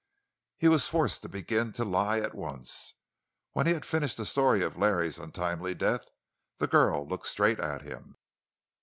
He was forced to begin to lie at once. When he had finished the story of Larry's untimely death, the girl looked straight at him.